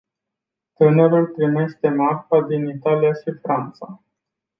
Tânărul primește marfa din Italia și Franța.